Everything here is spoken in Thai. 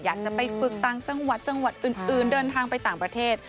อยากจะไปฝึกต่างจังหวัดจังหวัดอื่นเดินทางไปต่างประเทศ